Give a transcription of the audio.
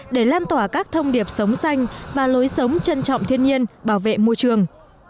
để lan tỏa các thông điệp sống xanh và lối sống trân trọng thiên nhiên bảo vệ môi trường